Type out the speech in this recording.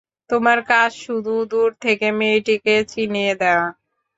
তোমার কাজ শুধু দূর থেকে মেয়েটিকে চিনিয়ে দেয়া।